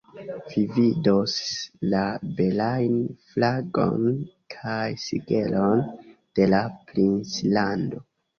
Vi vidos la belajn flagon kaj sigelon de la princlando.